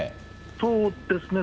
そうですね。